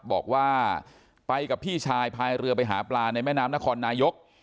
บอกว่าไปกับพี่ชายพายเรือไปหาปลาในแม่น้ำนครนายก